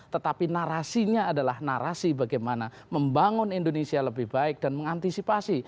tetapi narasinya adalah narasi bagaimana membangun indonesia lebih baik dan mengantisipasi